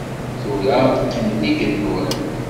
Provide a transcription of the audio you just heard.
Tura qqimen igennuren.